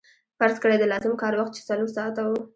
فرض کړئ د لازم کار وخت چې څلور ساعته وو